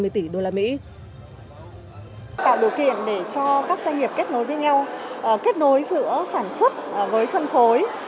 các doanh nghiệp kết nối với nhau kết nối giữa sản xuất với phân phối